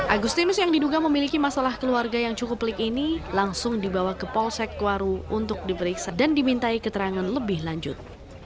agustinus yang diduga memiliki masalah keluarga yang cukup pelik ini langsung dibawa ke polsek kwaru untuk diperiksa dan dimintai keterangan lebih lanjut